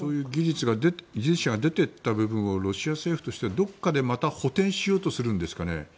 技術者が出て行った部分をロシア政府はどこかで補填しようとするんですかね。